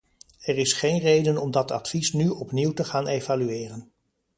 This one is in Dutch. Er is geen reden om dat advies nu opnieuw te gaan evalueren.